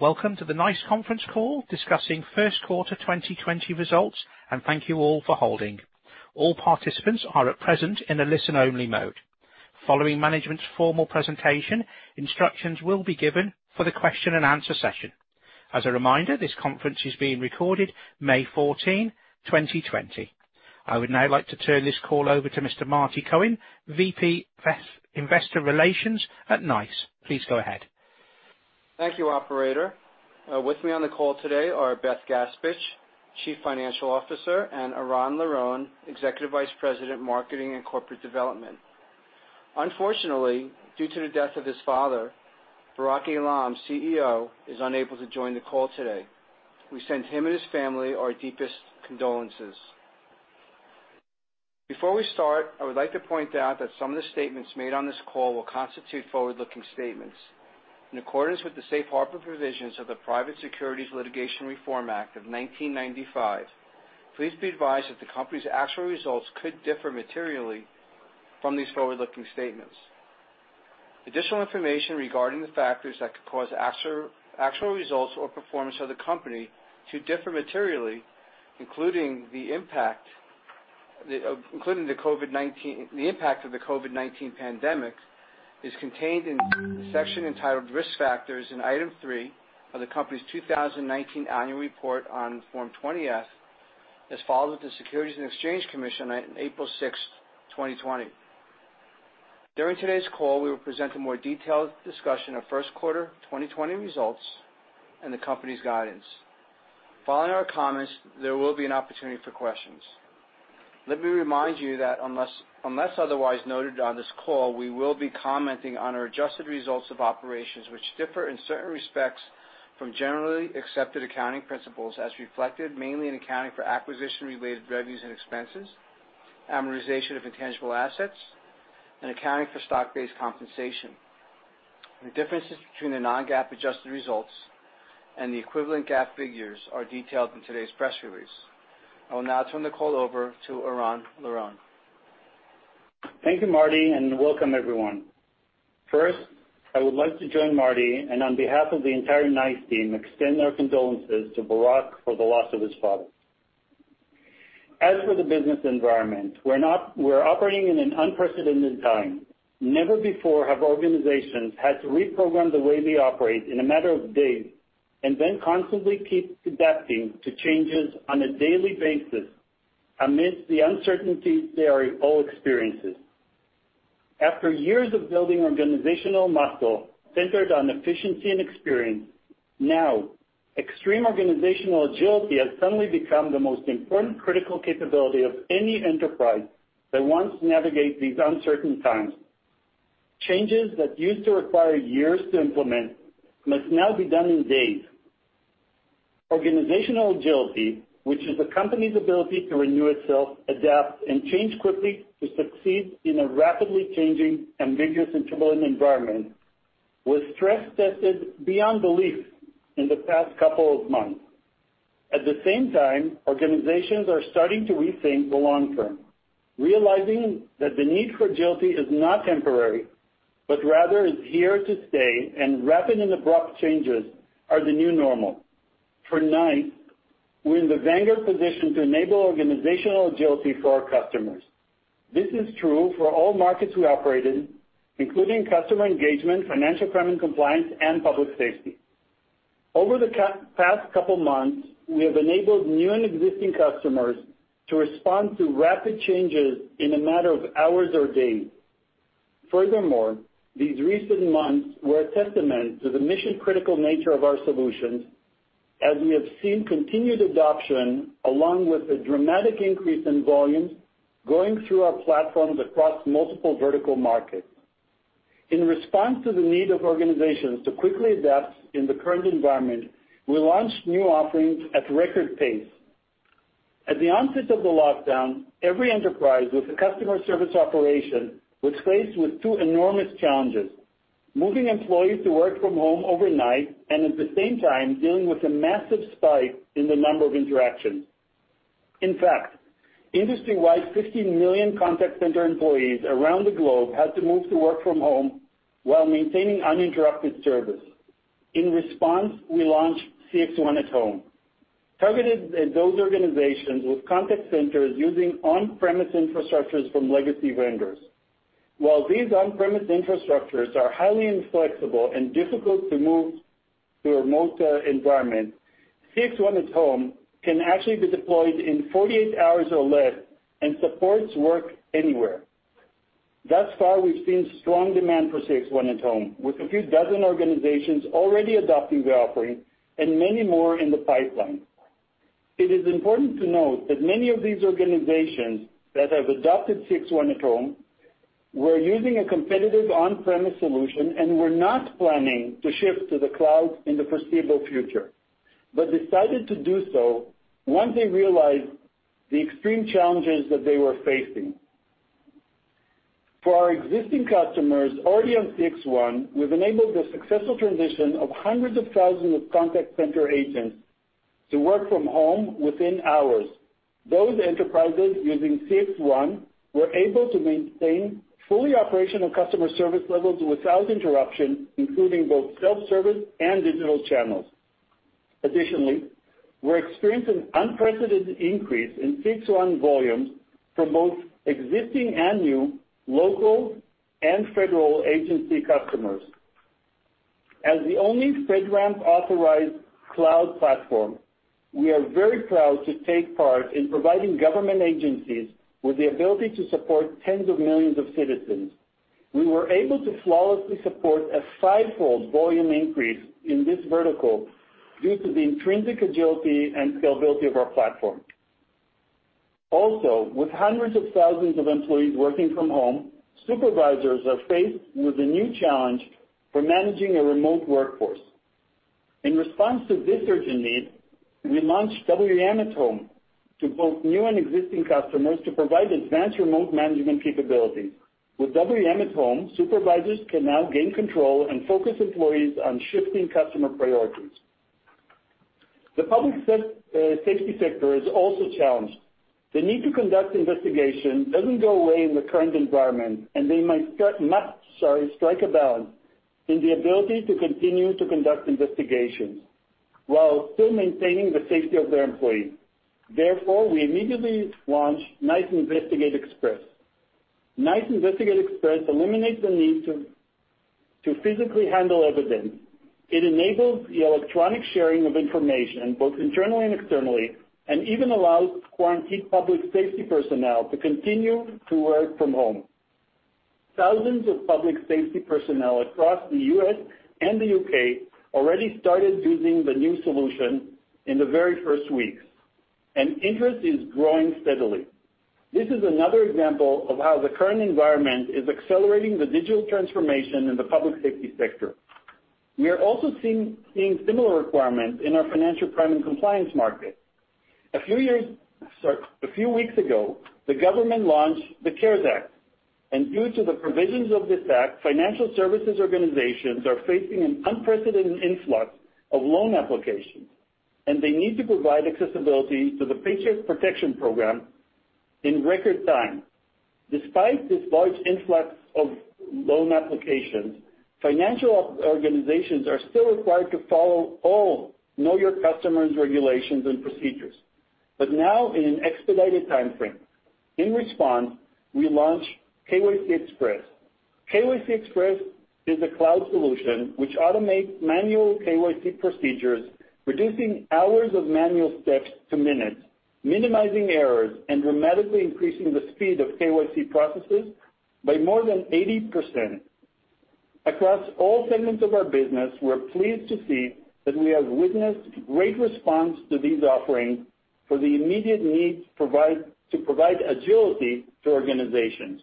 Welcome to the NICE conference call discussing first quarter 2020 results. Thank you all for holding. All participants are at present in a listen-only mode. Following management's formal presentation, instructions will be given for the question and answer session. As a reminder, this conference is being recorded May 14, 2020. I would now like to turn this call over to Mr. Marty Cohen, VP Investor Relations at NICE. Please go ahead. Thank you, operator. With me on the call today are Beth Gaspich, Chief Financial Officer, and Eran Liron, Executive Vice President, Marketing and Corporate Development. Unfortunately, due to the death of his father, Barak Eilam, CEO, is unable to join the call today. We send him and his family our deepest condolences. Before we start, I would like to point out that some of the statements made on this call will constitute forward-looking statements. In accordance with the safe harbor provisions of the Private Securities Litigation Reform Act of 1995, please be advised that the company's actual results could differ materially from these forward-looking statements. Additional information regarding the factors that could cause actual results or performance of the company to differ materially, including the impact of the COVID-19 pandemic, is contained in the section entitled "Risk Factors" in Item three of the company's 2019 annual report on Form 20-F, as filed with the Securities and Exchange Commission on April 6th, 2020. During today's call, we will present a more detailed discussion of first quarter 2020 results and the company's guidance. Following our comments, there will be an opportunity for questions. Let me remind you that unless otherwise noted on this call, we will be commenting on our adjusted results of operations, which differ in certain respects from Generally Accepted Accounting Principles as reflected mainly in accounting for acquisition-related revenues and expenses, amortization of intangible assets, and accounting for stock-based compensation. The differences between the non-GAAP adjusted results and the equivalent GAAP figures are detailed in today's press release. I will now turn the call over to Eran Liron. Thank you, Marty, and welcome everyone. First, I would like to join Marty and on behalf of the entire NICE team, extend our condolences to Barak for the loss of his father. As for the business environment, we're operating in an unprecedented time. Never before have organizations had to reprogram the way they operate in a matter of days and then constantly keep adapting to changes on a daily basis amidst the uncertainty they are all experiencing. After years of building organizational muscle centered on efficiency and experience, now extreme organizational agility has suddenly become the most important critical capability of any enterprise that wants to navigate these uncertain times. Changes that used to require years to implement must now be done in days. Organizational agility, which is a company's ability to renew itself, adapt, and change quickly to succeed in a rapidly changing, ambiguous, and turbulent environment, was stress-tested beyond belief in the past couple of months. At the same time, organizations are starting to rethink the long term, realizing that the need for agility is not temporary, but rather is here to stay. Rapid and abrupt changes are the new normal. For NICE, we're in the vanguard position to enable organizational agility for our customers. This is true for all markets we operate in, including customer engagement, financial crime and compliance, and public safety. Over the past couple months, we have enabled new and existing customers to respond to rapid changes in a matter of hours or days. Furthermore, these recent months were a testament to the mission-critical nature of our solutions, as we have seen continued adoption along with a dramatic increase in volume going through our platforms across multiple vertical markets. In response to the need of organizations to quickly adapt in the current environment, we launched new offerings at record pace. At the onset of the lockdown, every enterprise with a customer service operation was faced with two enormous challenges, moving employees to work from home overnight, and at the same time dealing with a massive spike in the number of interactions. In fact, industry-wide, 50 million contact center employees around the globe had to move to work from home while maintaining uninterrupted service. In response, we launched CXone@home, targeted at those organizations with contact centers using on-premise infrastructures from legacy vendors. While these on-premise infrastructures are highly inflexible and difficult to move to a remote environment, CXone@home can actually be deployed in 48 hours or less and supports work anywhere. Thus far, we've seen strong demand for CXone@home, with a few dozen organizations already adopting the offering and many more in the pipeline. It is important to note that many of these organizations that have adopted CXone@home were using a competitive on-premise solution and were not planning to shift to the cloud in the foreseeable future, but decided to do so once they realized the extreme challenges that they were facing. For our existing customers already on CXone, we've enabled the successful transition of hundreds of thousands of contact center agents to work from home within hours. Those enterprises using CXone were able to maintain fully operational customer service levels without interruption, including both self-service and digital channels. Additionally, we're experiencing unprecedented increase in CXone volumes from both existing and new local and federal agency customers. As the only FedRAMP-authorized cloud platform, we are very proud to take part in providing government agencies with the ability to support tens of millions of citizens. We were able to flawlessly support a fivefold volume increase in this vertical due to the intrinsic agility and scalability of our platform. Also, with hundreds of thousands of employees working from home, supervisors are faced with a new challenge for managing a remote workforce. In response to this urgent need, we launched WEM@home to both new and existing customers to provide advanced remote management capabilities. With WEM@home, supervisors can now gain control and focus employees on shifting customer priorities. The public safety sector is also challenged. The need to conduct investigation doesn't go away in the current environment, and they must, sorry, strike a balance in the ability to continue to conduct investigations while still maintaining the safety of their employees. We immediately launched NICE Investigate Express. NICE Investigate Express eliminates the need to physically handle evidence. It enables the electronic sharing of information, both internally and externally, and even allows quarantined public safety personnel to continue to work from home. Thousands of public safety personnel across the U.S. and the U.K. already started using the new solution in the very first weeks, and interest is growing steadily. This is another example of how the current environment is accelerating the digital transformation in the public safety sector. We are also seeing similar requirements in our financial crime and compliance market. A few weeks ago, the government launched the CARES Act, and due to the provisions of this act, financial services organizations are facing an unprecedented influx of loan applications, and they need to provide accessibility to the Paycheck Protection Program in record time. Despite this large influx of loan applications, financial organizations are still required to follow all Know Your Customer regulations and procedures, but now in an expedited timeframe. In response, we launched KYC Xpress. KYC Xpress is a cloud solution which automates manual KYC procedures, reducing hours of manual steps to minutes, minimizing errors, and dramatically increasing the speed of KYC processes by more than 80%. Across all segments of our business, we're pleased to see that we have witnessed great response to these offerings for the immediate need to provide agility to organizations.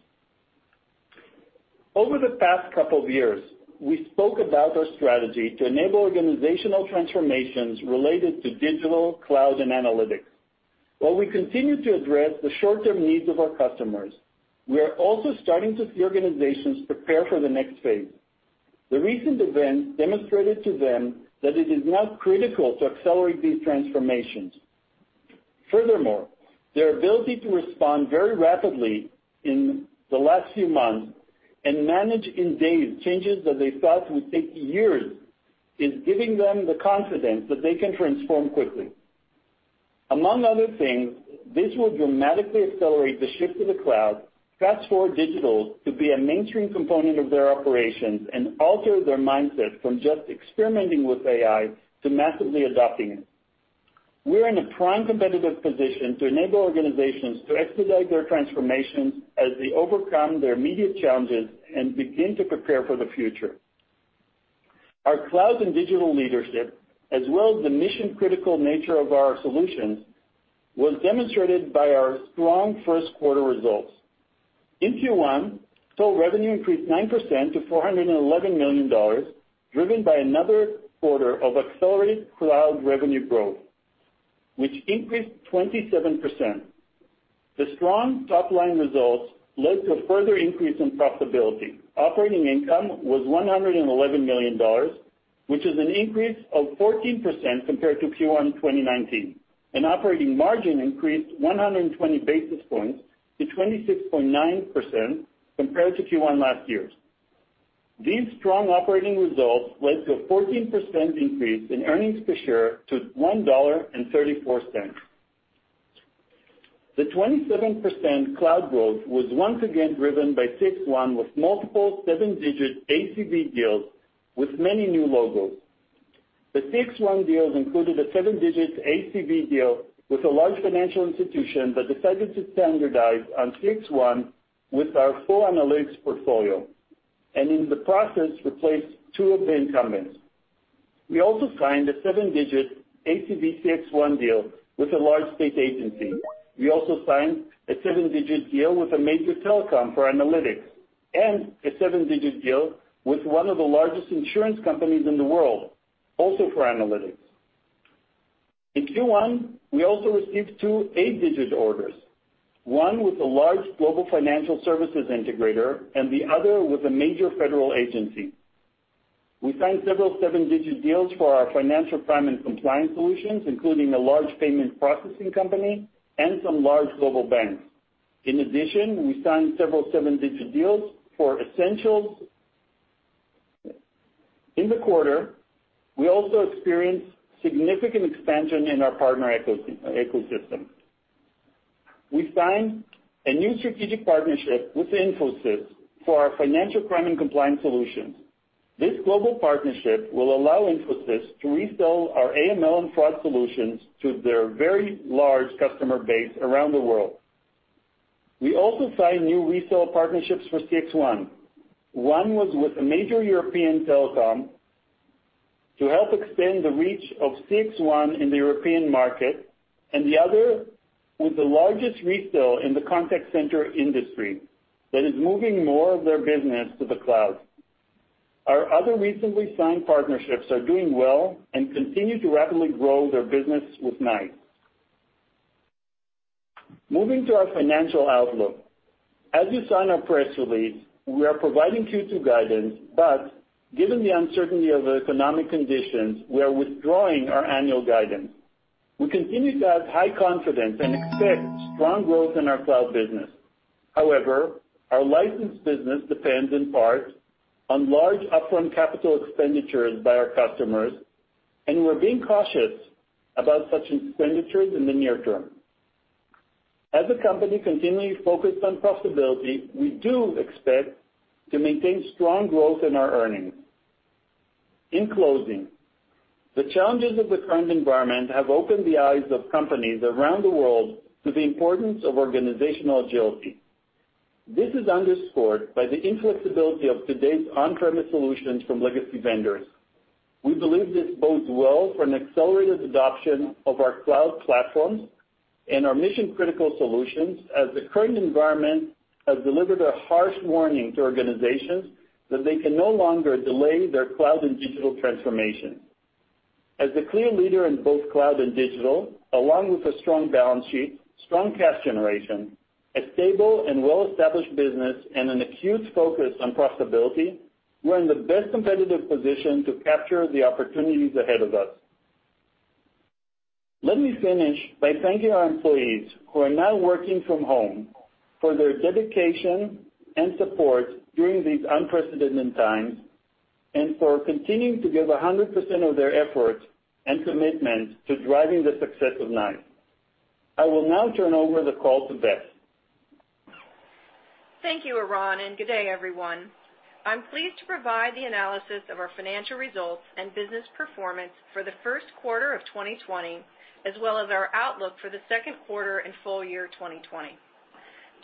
Over the past couple of years, we spoke about our strategy to enable organizational transformations related to digital, cloud, and analytics. While we continue to address the short-term needs of our customers, we are also starting to see organizations prepare for the next phase. The recent events demonstrated to them that it is now critical to accelerate these transformations. Their ability to respond very rapidly in the last few months and manage in days changes that they thought would take years, is giving them the confidence that they can transform quickly. Among other things, this will dramatically accelerate the shift to the cloud, fast-forward digital to be a mainstream component of their operations, and alter their mindset from just experimenting with AI to massively adopting it. We're in a prime competitive position to enable organizations to expedite their transformations as they overcome their immediate challenges and begin to prepare for the future. Our cloud and digital leadership, as well as the mission-critical nature of our solutions, was demonstrated by our strong first quarter results. In Q1, total revenue increased 9% to $411 million, driven by another quarter of accelerated cloud revenue growth, which increased 27%. The strong top-line results led to a further increase in profitability. Operating income was $111 million, which is an increase of 14% compared to Q1 2019, and operating margin increased 120 basis points to 26.9% compared to Q1 last year. These strong operating results led to a 14% increase in earnings per share to $1.34. The 27% cloud growth was once again driven by CXone with multiple seven-digit ACV deals with many new logos. The CXone deals included a seven-digit ACV deal with a large financial institution that decided to standardize on CXone with our full analytics portfolio, and in the process, replaced two of the incumbents. We also signed a seven-digit ACV CXone deal with a large state agency. We also signed a seven-digit deal with a major telecom for analytics and a seven-digit deal with one of the largest insurance companies in the world, also for analytics. In Q1, we also received two eight-digit orders, one with a large global financial services integrator and the other with a major federal agency. We signed several seven-digit deals for our financial crime and compliance solutions, including a large payment processing company and some large global banks. In addition, we signed several seven-digit deals for Essentials. In the quarter, we also experienced significant expansion in our partner ecosystem. We signed a new strategic partnership with Infosys for our financial crime and compliance solutions. This global partnership will allow Infosys to resell our AML and fraud solutions to their very large customer base around the world. We also signed new resale partnerships for CXone. One was with a major European telecom to help extend the reach of CXone in the European market, and the other was the largest resale in the contact center industry that is moving more of their business to the cloud. Our other recently signed partnerships are doing well and continue to rapidly grow their business with NICE. Moving to our financial outlook. As you saw in our press release, we are providing Q2 guidance, but given the uncertainty of the economic conditions, we are withdrawing our annual guidance. We continue to have high confidence and expect strong growth in our cloud business. However, our license business depends in part on large upfront capital expenditures by our customers, and we're being cautious about such expenditures in the near term. As a company continually focused on profitability, we do expect to maintain strong growth in our earnings. In closing, the challenges of the current environment have opened the eyes of companies around the world to the importance of organizational agility. This is underscored by the inflexibility of today's on-premise solutions from legacy vendors. We believe this bodes well for an accelerated adoption of our cloud platforms and our mission-critical solutions, as the current environment has delivered a harsh warning to organizations that they can no longer delay their cloud and digital transformation. As the clear leader in both cloud and digital, along with a strong balance sheet, strong cash generation, a stable and well-established business, and an acute focus on profitability, we're in the best competitive position to capture the opportunities ahead of us. Let me finish by thanking our employees, who are now working from home, for their dedication and support during these unprecedented times, and for continuing to give 100% of their effort and commitment to driving the success of NICE. I will now turn over the call to Beth. Thank you, Eran, and good day, everyone. I'm pleased to provide the analysis of our financial results and business performance for the first quarter of 2020, as well as our outlook for the second quarter and full year 2020.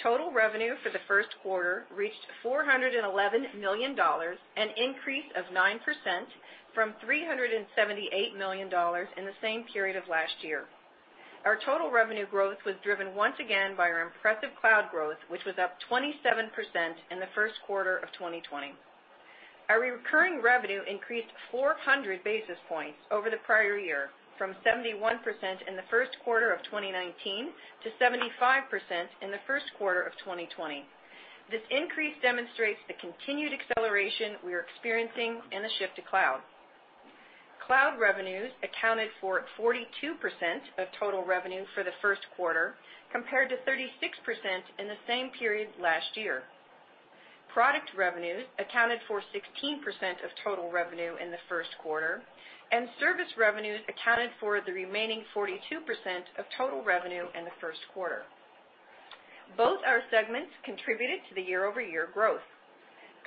Total revenue for the first quarter reached $411 million, an increase of 9% from $378 million in the same period of last year. Our total revenue growth was driven once again by our impressive cloud growth, which was up 27% in the first quarter of 2020. Our recurring revenue increased 400 basis points over the prior year, from 71% in the first quarter of 2019 to 75% in the first quarter of 2020. This increase demonstrates the continued acceleration we are experiencing in the shift to cloud. Cloud revenues accounted for 42% of total revenue for the first quarter, compared to 36% in the same period last year. Product revenues accounted for 16% of total revenue in the first quarter, and service revenues accounted for the remaining 42% of total revenue in the first quarter. Both our segments contributed to the year-over-year growth.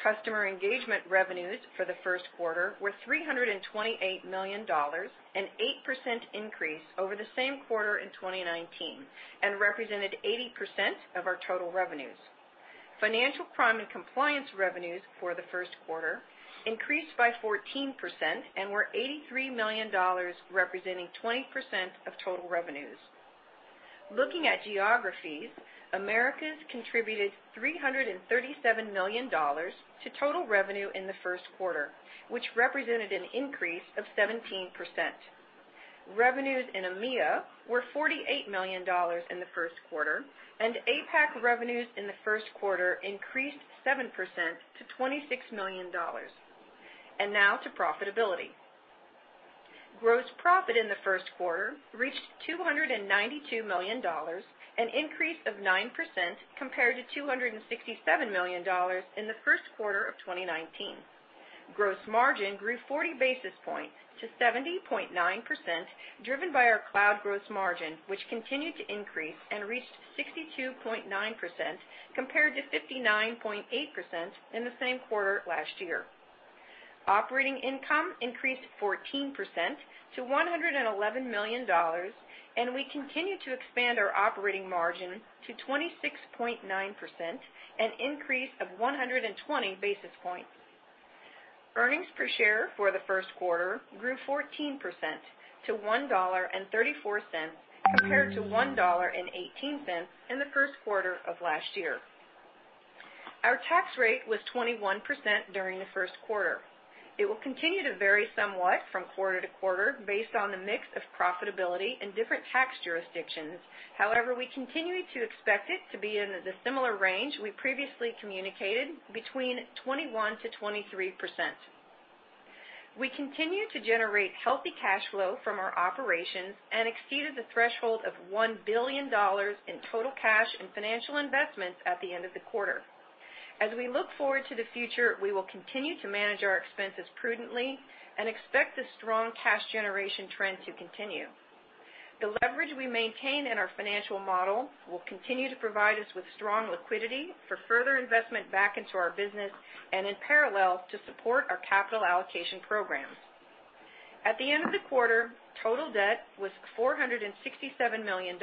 Customer engagement revenues for the first quarter were $328 million, an 8% increase over the same quarter in 2019, and represented 80% of our total revenues. Financial crime and compliance revenues for the first quarter increased by 14% and were $83 million, representing 20% of total revenues. Looking at geographies, Americas contributed $337 million to total revenue in the first quarter, which represented an increase of 17%. Revenues in EMEA were $48 million in the first quarter, and APAC revenues in the first quarter increased 7% to $26 million. Now to profitability. Gross profit in the first quarter reached $292 million, an increase of 9% compared to $267 million in the first quarter of 2019. Gross margin grew 40 basis points to 70.9%, driven by our cloud gross margin, which continued to increase and reached 62.9% compared to 59.8% in the same quarter last year. Operating income increased 14% to $111 million, and we continued to expand our operating margin to 26.9%, an increase of 120 basis points. Earnings per share for the first quarter grew 14% to $1.34, compared to $1.18 in the first quarter of last year. Our tax rate was 21% during the first quarter. It will continue to vary somewhat from quarter to quarter based on the mix of profitability in different tax jurisdictions. However, we continue to expect it to be in the similar range we previously communicated, between 21%-23%. We continue to generate healthy cash flow from our operations and exceeded the threshold of $1 billion in total cash and financial investments at the end of the quarter. As we look forward to the future, we will continue to manage our expenses prudently and expect a strong cash generation trend to continue. The leverage we maintain in our financial model will continue to provide us with strong liquidity for further investment back into our business, and in parallel, to support our capital allocation programs. At the end of the quarter, total debt was $467 million,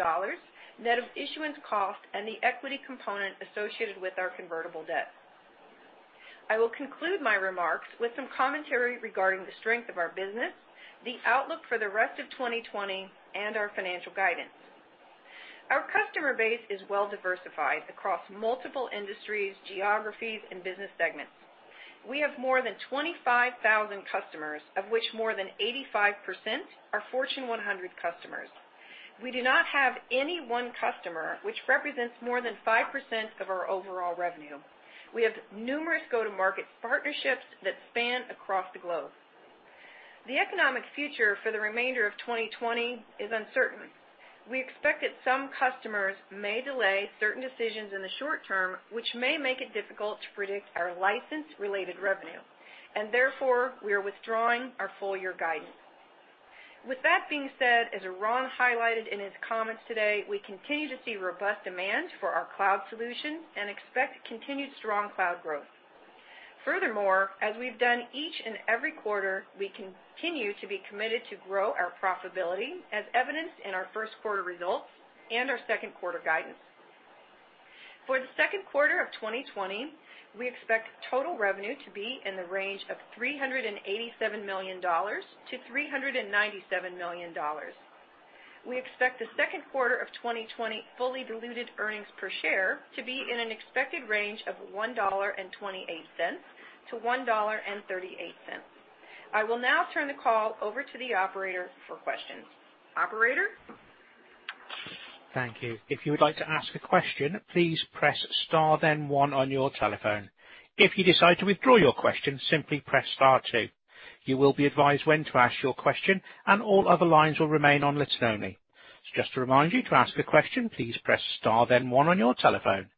net of issuance cost and the equity component associated with our convertible debt. I will conclude my remarks with some commentary regarding the strength of our business, the outlook for the rest of 2020, and our financial guidance. Our customer base is well diversified across multiple industries, geographies, and business segments. We have more than 25,000 customers, of which more than 85% are Fortune 100 customers. We do not have any one customer, which represents more than 5% of our overall revenue. We have numerous go-to-market partnerships that span across the globe. The economic future for the remainder of 2020 is uncertain. We expect that some customers may delay certain decisions in the short term, which may make it difficult to predict our license-related revenue, and therefore, we are withdrawing our full-year guidance. With that being said, as Ron highlighted in his comments today, we continue to see robust demand for our cloud solutions and expect continued strong cloud growth. Furthermore, as we've done each and every quarter, we continue to be committed to grow our profitability, as evidenced in our first quarter results and our second quarter guidance. For the second quarter of 2020, we expect total revenue to be in the range of $387 million-$397 million. We expect the second quarter of 2020 fully diluted earnings per share to be in an expected range of $1.28-$1.38. I will now turn the call over to the operator for questions. Operator? Thank you. If you would like to ask a question, please press star then one on your telephone. If you decide to withdraw your question, simply press star two. You will be advised when to ask your question, and all other lines will remain on listen only. Just to remind you, to ask a question, please press star then one on your telephone.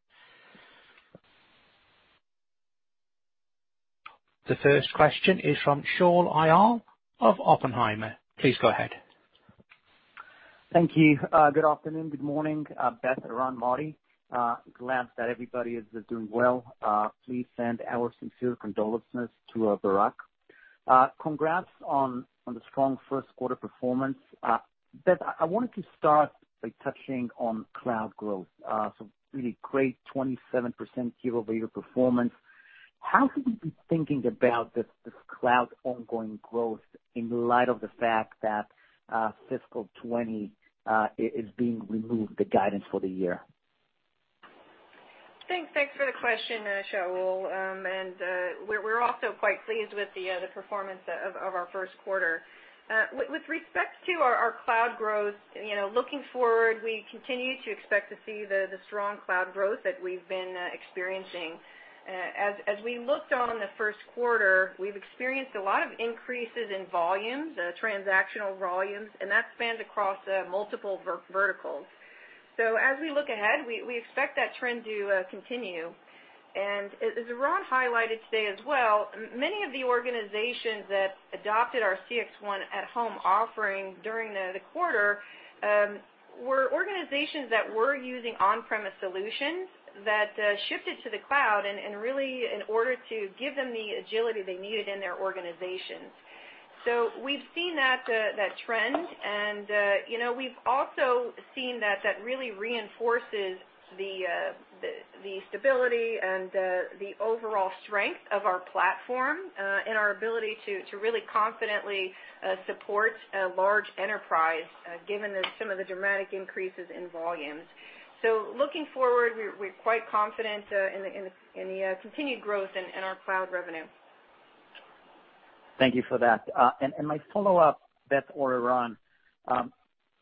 The first question is from Shaul Eyal of Oppenheimer. Please go ahead. Thank you. Good afternoon, good morning, Beth, Ron, Marty. Glad that everybody is doing well. Please send our sincere condolences to Barak. Congrats on the strong first quarter performance. Beth, I wanted to start by touching on cloud growth. Really great 27% year-over-year performance. How should we be thinking about this cloud ongoing growth in light of the fact that fiscal 2020 is being removed the guidance for the year? Thanks for the question, Shaul. We're also quite pleased with the performance of our first quarter. With respect to our cloud growth, looking forward, we continue to expect to see the strong cloud growth that we've been experiencing. As we looked on the first quarter, we've experienced a lot of increases in volumes, transactional volumes, and that spans across multiple verticals. As we look ahead, we expect that trend to continue. As Ron highlighted today as well, many of the organizations that adopted our CXone@home offering during the quarter were organizations that were using on-premise solutions that shifted to the cloud, and really in order to give them the agility they needed in their organizations. We've seen that trend, and we've also seen that really reinforces the stability and the overall strength of our platform, and our ability to really confidently support a large enterprise, given some of the dramatic increases in volumes. Looking forward, we're quite confident in the continued growth in our cloud revenue. Thank you for that. My follow-up, Beth or Ron,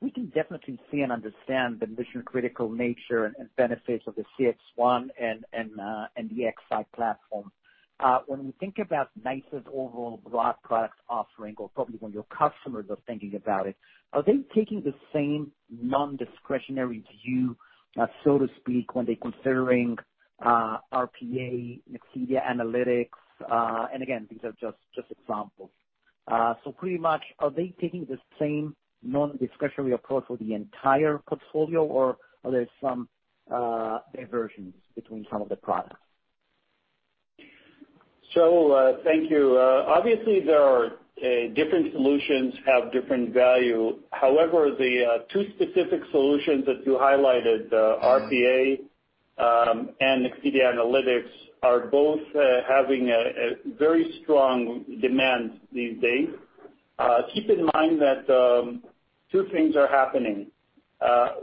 we can definitely see and understand the mission-critical nature and benefits of the CXone and the XI platform. When we think about NICE's overall broad product offering, or probably when your customers are thinking about it, are they taking the same non-discretionary view, so to speak, when they're considering RPA, Nexidia Analytics, and again, these are just examples. Pretty much, are they taking the same non-discretionary approach for the entire portfolio, or are there some diversions between some of the products? Shaul, thank you. Different solutions have different value. The two specific solutions that you highlighted, RPA and Nexidia Analytics, are both having a very strong demand these days. Keep in mind that two things are happening.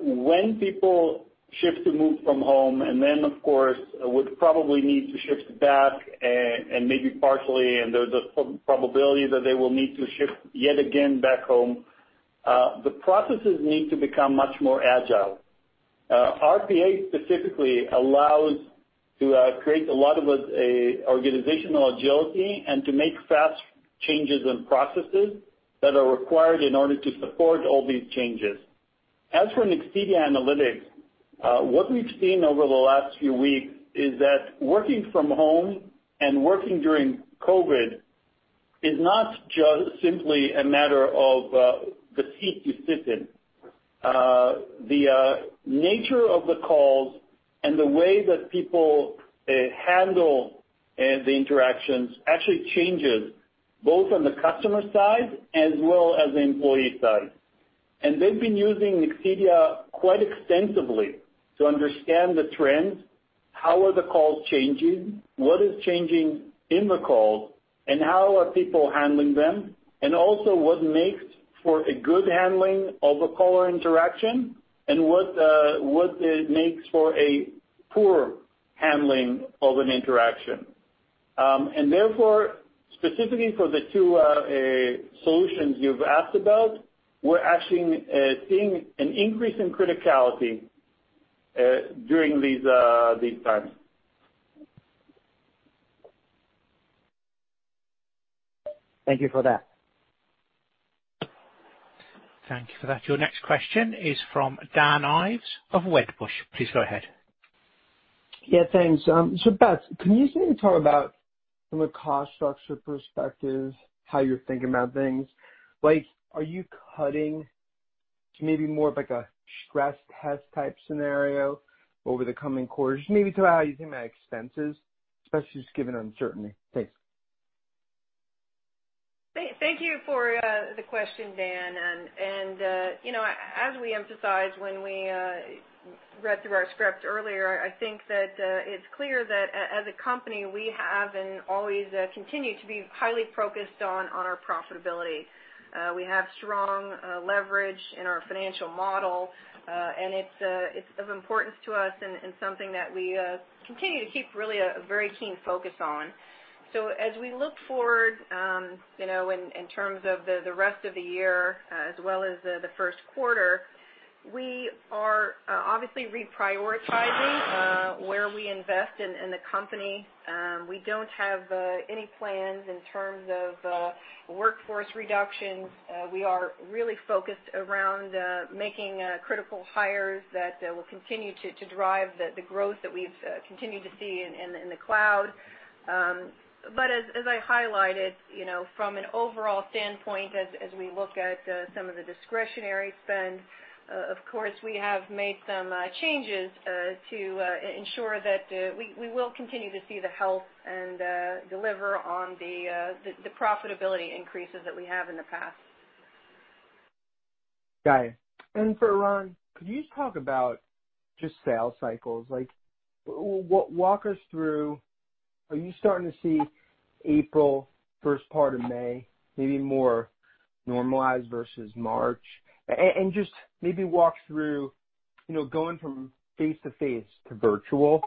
When people shift to move from home, and then, of course, would probably need to shift back, and maybe partially, and there's a probability that they will need to shift yet again back home. The processes need to become much more agile. RPA specifically allows to create a lot of organizational agility and to make fast changes in processes that are required in order to support all these changes. As for Nexidia Analytics, what we've seen over the last few weeks is that working from home and working during COVID is not just simply a matter of the seat you sit in. The nature of the calls and the way that people handle the interactions actually changes, both on the customer side as well as the employee side. They've been using Nexidia quite extensively to understand the trends, how are the calls changing, what is changing in the calls, and how are people handling them, and also what makes for a good handling of a caller interaction, and what makes for a poor handling of an interaction. Therefore, specifically for the two solutions you've asked about, we're actually seeing an increase in criticality during these times. Thank you for that. Thank you for that. Your next question is from Dan Ives of Wedbush. Please go ahead. Yeah, thanks. Beth, can you maybe talk about, from a cost structure perspective, how you're thinking about things? Are you cutting to maybe more of a stress test type scenario over the coming quarters? Maybe talk about how you think about expenses, especially just given uncertainty. Thanks. Thank you for the question, Dan. As we emphasized when we read through our script earlier, I think that it's clear that as a company, we have and always continue to be highly focused on our profitability. We have strong leverage in our financial model, and it's of importance to us and something that we continue to keep really a very keen focus on. As we look forward, in terms of the rest of the year as well as the first quarter, we are obviously reprioritizing where we invest in the company. We don't have any plans in terms of workforce reductions. We are really focused around making critical hires that will continue to drive the growth that we've continued to see in the cloud. As I highlighted, from an overall standpoint, as we look at some of the discretionary spend, of course, we have made some changes to ensure that we will continue to see the health and deliver on the profitability increases that we have in the past. Got it. For Eran, could you just talk about sales cycles? Walk us through, are you starting to see April, first part of May, maybe more normalized versus March? Just maybe walk through going from face-to-face to virtual,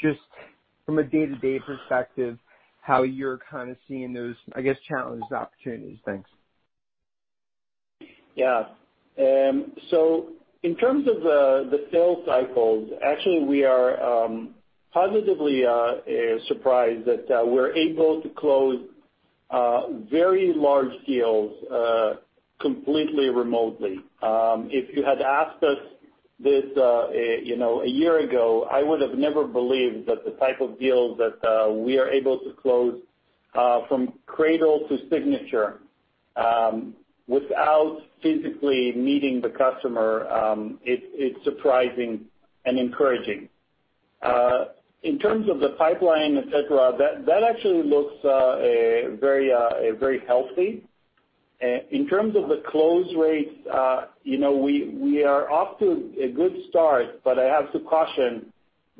just from a day-to-day perspective, how you're kind of seeing those, I guess, challenges and opportunities. Thanks. Yeah. In terms of the sales cycles, actually, we are positively surprised that we're able to close very large deals completely remotely. If you had asked us this a year ago, I would have never believed that the type of deals that we are able to close from cradle to signature without physically meeting the customer, it's surprising and encouraging. In terms of the pipeline, et cetera, that actually looks very healthy. In terms of the close rates, we are off to a good start, I have to caution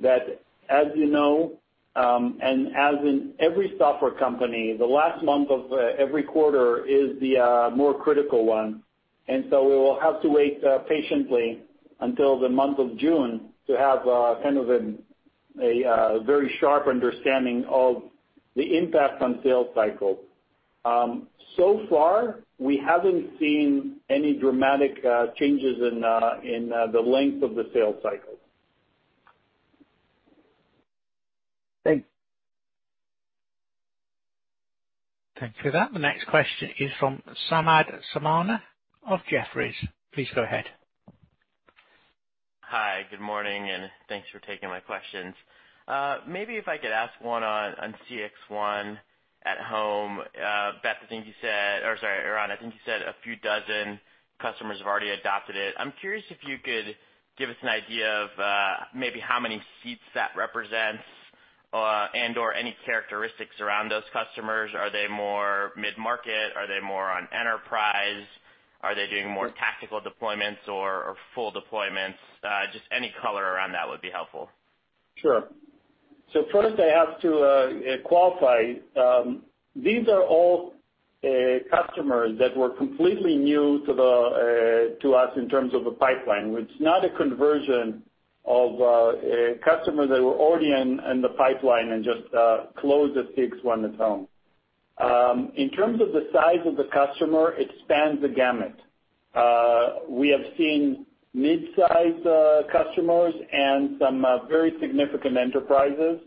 that, as you know, as in every software company, the last month of every quarter is the more critical one. We will have to wait patiently until the month of June to have kind of a very sharp understanding of the impact on sales cycle. Far, we haven't seen any dramatic changes in the length of the sales cycle. Thanks. Thank you for that. The next question is from Samad Samana of Jefferies. Please go ahead. Hi, good morning. Thanks for taking my questions. Maybe if I could ask one on CXone@home. Beth, or sorry, Ran, I think you said a few dozen customers have already adopted it. I'm curious if you could give us an idea of maybe how many seats that represents and/or any characteristics around those customers. Are they more mid-market? Are they more on enterprise? Are they doing more tactical deployments or full deployments? Just any color around that would be helpful. Sure. First, I have to qualify. These are all customers that were completely new to us in terms of the pipeline. It's not a conversion of customers that were already in the pipeline and just closed at CXone@home. In terms of the size of the customer, it spans the gamut. We have seen mid-size customers and some very significant enterprises.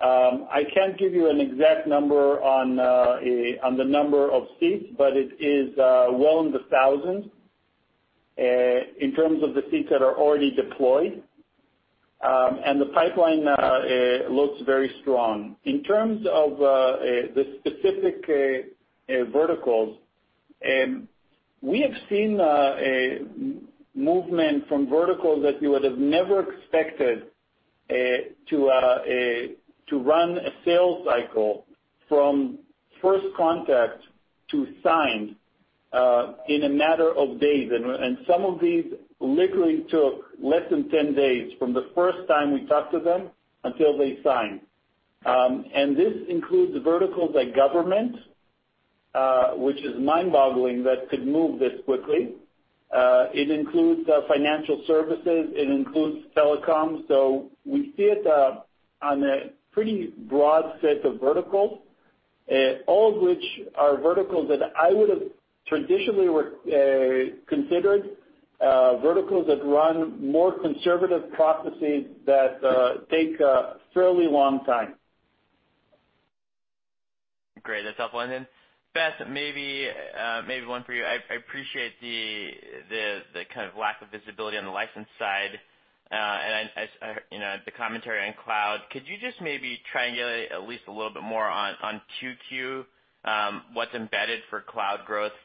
I can't give you an exact number on the number of seats, but it is well in the thousands in terms of the seats that are already deployed. The pipeline looks very strong. In terms of the specific verticals, we have seen a movement from verticals that you would have never expected to run a sales cycle from first contact to signed in a matter of days. Some of these literally took less than 10 days from the first time we talked to them until they signed. This includes verticals like government, which is mind-boggling, that could move this quickly. It includes financial services, it includes telecom. We see it on a pretty broad set of verticals, all of which are verticals that I would've traditionally considered verticals that run more conservative processes that take a fairly long time. Great. That's helpful. Then Beth, maybe one for you. I appreciate the kind of lack of visibility on the license side, and the commentary on cloud. Could you just maybe triangulate at least a little bit more on 2Q, what's embedded for cloud growth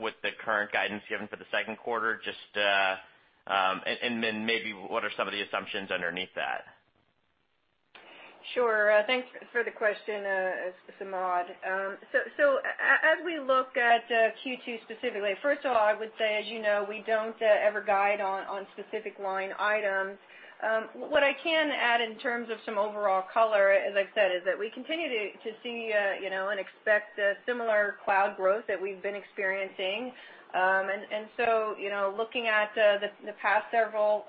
with the current guidance given for the second quarter? Then maybe what are some of the assumptions underneath that? Sure. Thanks for the question, Samad. As we look at Q2 specifically, first of all, I would say, as you know, we don't ever guide on specific line items. What I can add in terms of some overall color, as I've said, is that we continue to see and expect similar cloud growth that we've been experiencing. Looking at the past several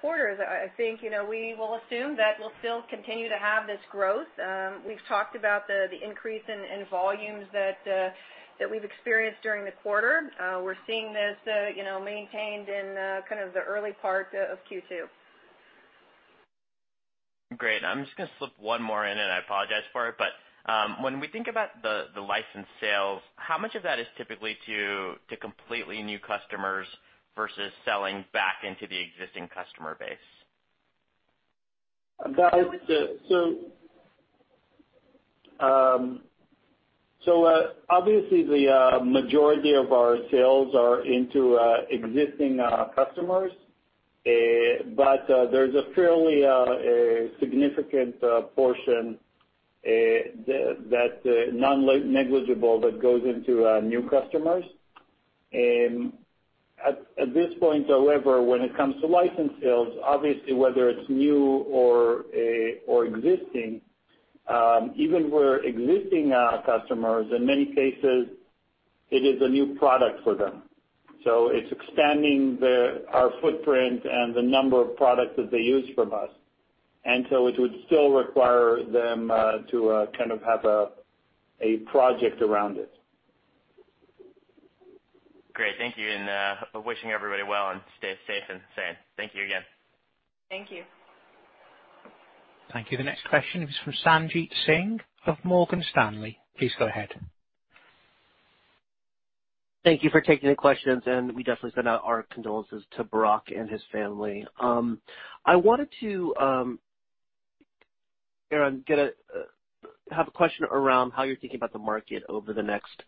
quarters, I think, we will assume that we'll still continue to have this growth. We've talked about the increase in volumes that we've experienced during the quarter. We're seeing this maintained in kind of the early part of Q2. Great. I'm just going to slip one more in, and I apologize for it. When we think about the licensed sales, how much of that is typically to completely new customers versus selling back into the existing customer base? Obviously the majority of our sales are into existing customers, but there's a fairly significant portion that's non-negligible that goes into new customers. At this point, however, when it comes to license sales, obviously, whether it's new or existing, even where existing customers, in many cases, it is a new product for them. It's expanding our footprint and the number of products that they use from us. It would still require them to kind of have a project around it. Great. Thank you, and wishing everybody well and stay safe and sane. Thank you again. Thank you. Thank you. The next question is from Sanjit Singh of Morgan Stanley. Please go ahead. Thank you for taking the questions. We definitely send out our condolences to Barak and his family. I wanted to, Barak, have a question around how you're thinking about the market over the next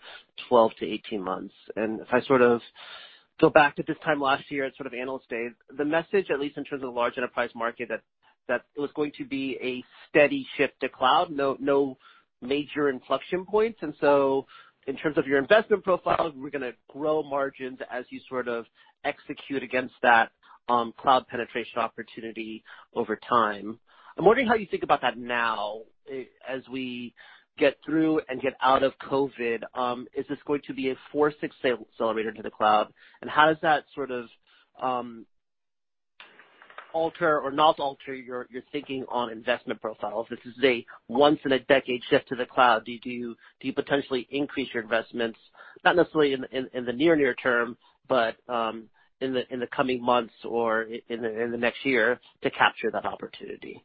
12 to 18 months. If I sort of go back to this time last year at sort of Analyst Day, the message, at least in terms of the large enterprise market, that it was going to be a steady shift to cloud, no major inflection points. So in terms of your investment profile, we're going to grow margins as you sort of execute against that cloud penetration opportunity over time. I'm wondering how you think about that now as we get through and get out of COVID. Is this going to be a force accelerator to the cloud? How does that sort of alter or not alter your thinking on investment profiles? This is a once in a decade shift to the cloud. Do you potentially increase your investments, not necessarily in the near term, but in the coming months or in the next year to capture that opportunity?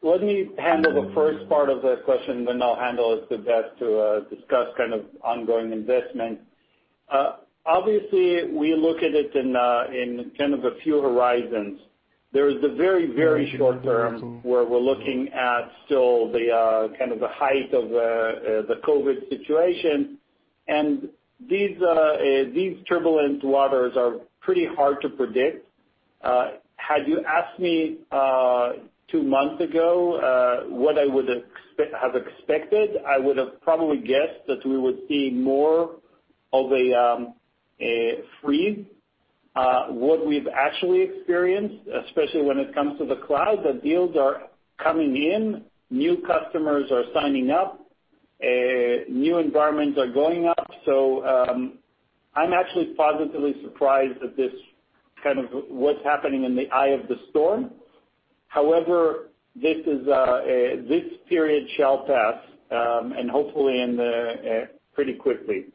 Let me handle the first part of the question, then I'll handle it to Beth to discuss kind of ongoing investment. Obviously, we look at it in kind of a few horizons. There is the very short term where we're looking at still the kind of the height of the COVID situation. These turbulent waters are pretty hard to predict. Had you asked me two months ago what I would have expected, I would have probably guessed that we were seeing more of a freeze. What we've actually experienced, especially when it comes to the cloud, the deals are coming in, new customers are signing up. New environments are going up. I'm actually positively surprised at this, kind of what's happening in the eye of the storm. However, this period shall pass, and hopefully pretty quickly.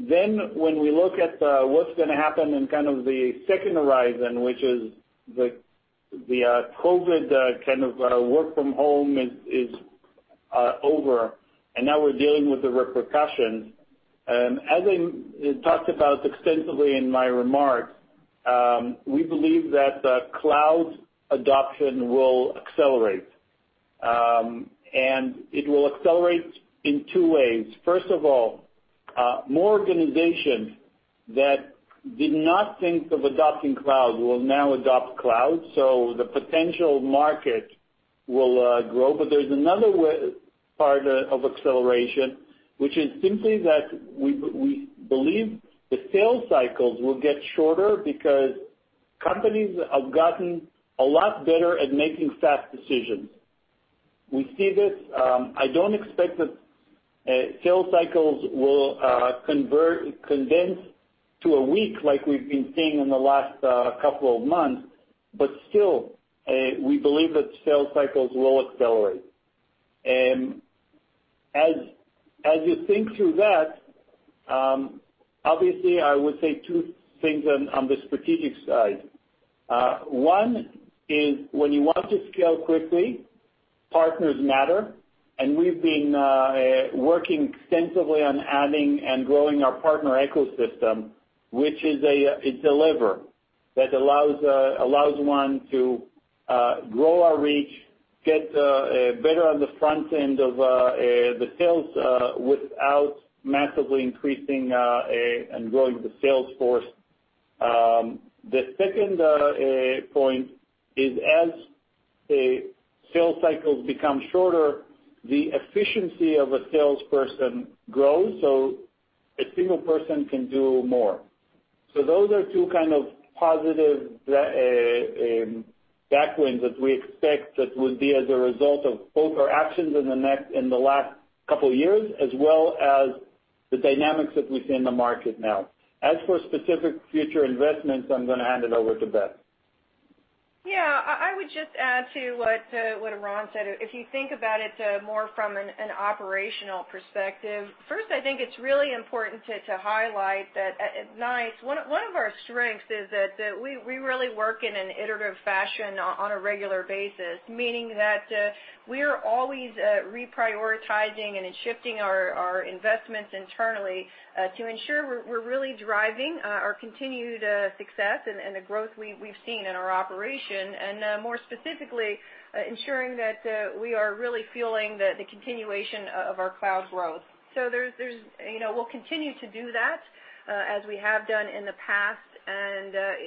When we look at what's going to happen in the second horizon, which is the COVID work from home is over, and now we're dealing with the repercussions. As I talked about extensively in my remarks, we believe that the cloud adoption will accelerate. It will accelerate in two ways. First of all, more organizations that did not think of adopting cloud will now adopt cloud, the potential market will grow. There's another part of acceleration, which is simply that we believe the sales cycles will get shorter because companies have gotten a lot better at making fast decisions. We see this. I don't expect that sales cycles will condense to a week like we've been seeing in the last couple of months, still, we believe that sales cycles will accelerate. As you think through that, obviously I would say two things on the strategic side. One is when you want to scale quickly, partners matter, and we've been working extensively on adding and growing our partner ecosystem, which is a lever that allows one to grow our reach, get better on the front end of the sales without massively increasing and growing the sales force. The second point is as sales cycles become shorter, the efficiency of a salesperson grows, so a single person can do more. Those are two kind of positive tailwinds that we expect that would be as a result of both our actions in the last couple of years, as well as the dynamics that we see in the market now. As for specific future investments, I'm going to hand it over to Beth. Yeah, I would just add to what Eran said. If you think about it more from an operational perspective, first, I think it's really important to highlight that at NICE, one of our strengths is that we really work in an iterative fashion on a regular basis, meaning that we're always reprioritizing and shifting our investments internally to ensure we're really driving our continued success and the growth we've seen in our operation, and more specifically, ensuring that we are really feeling the continuation of our cloud growth. We'll continue to do that as we have done in the past.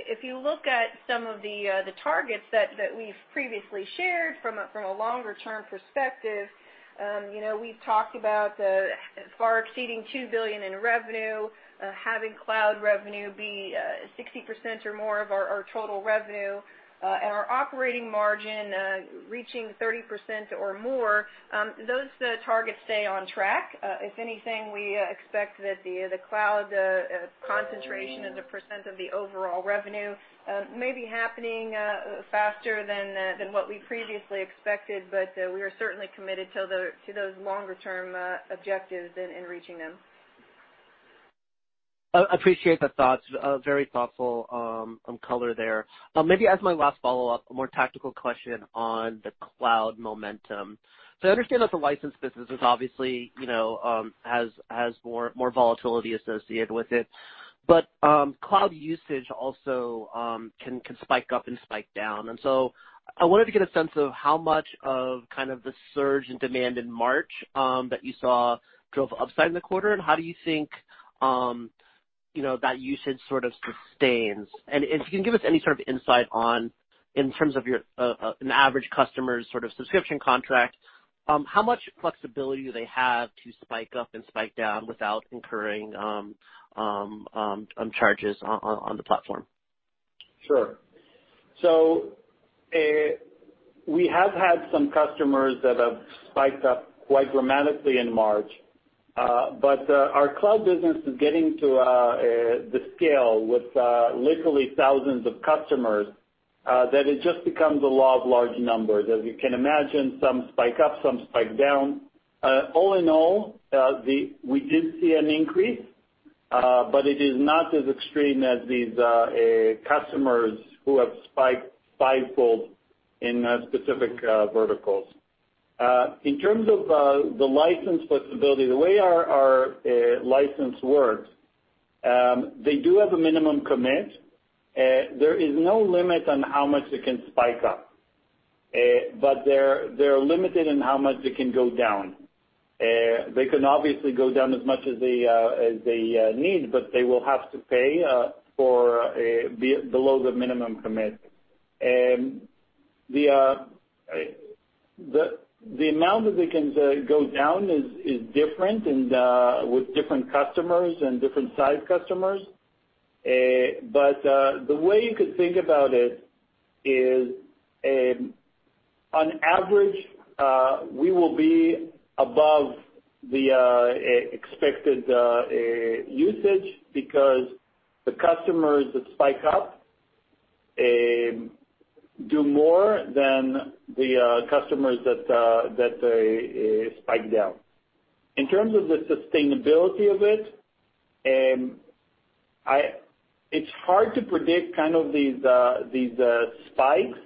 If you look at some of the targets that we've previously shared from a longer-term perspective, we've talked about far exceeding $2 billion in revenue, having cloud revenue be 60% or more of our total revenue, and our operating margin reaching 30% or more. Those targets stay on track. If anything, we expect that the cloud concentration as a percent of the overall revenue may be happening faster than what we previously expected, but we are certainly committed to those longer-term objectives and reaching them. I appreciate the thoughts. Very thoughtful color there. Maybe as my last follow-up, a more tactical question on the cloud momentum. I understand that the license business obviously has more volatility associated with it, but cloud usage also can spike up and spike down. I wanted to get a sense of how much of the surge in demand in March that you saw drove upside in the quarter, and how do you think that usage sort of sustains? If you can give us any sort of insight on, in terms of an average customer's subscription contract, how much flexibility do they have to spike up and spike down without incurring charges on the platform? Sure. We have had some customers that have spiked up quite dramatically in March. Our cloud business is getting to the scale with literally thousands of customers, that it just becomes the law of large numbers. As you can imagine, some spike up, some spike down. All in all, we did see an increase, but it is not as extreme as these customers who have spiked fivefold in specific verticals. In terms of the license flexibility, the way our license works, they do have a minimum commit. There is no limit on how much it can spike up, but they're limited in how much it can go down. They can obviously go down as much as they need, but they will have to pay for below the minimum commit. The amount that they can go down is different with different customers and different size customers. The way you could think about it is, on average, we will be above the expected usage because the customers that spike up do more than the customers that spike down. In terms of the sustainability of it's hard to predict these spikes,